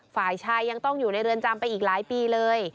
ฝ่ายชายยังต้องอยู่ในเรือนจำไปอีกหลายปีเลย